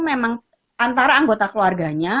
memang antara anggota keluarganya